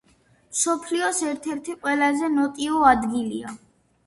მსოფლიოს ერთ-ერთი ყველაზე ნოტიო ადგილია.